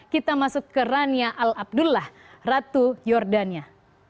kita masuk ke rania al abdullah ratu jordania